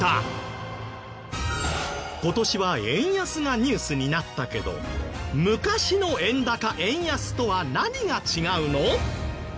今年は円安がニュースになったけど昔の円高円安とは何が違うの？